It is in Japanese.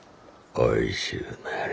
おいしゅうなれ。